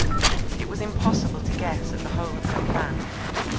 It was impossible to guess at the whole of her plan.